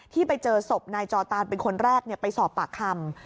ที่ไปเจอศพนายจอตานเป็นคนแรกไปสอบปากคำ